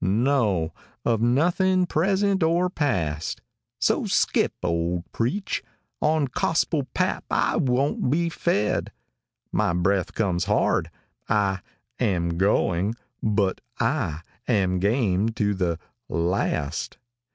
No of nothing present or past; ```So skip, old preach, on gospel pap I won't be fed; ```My breath comes hard; I am going but I am game to `````the last.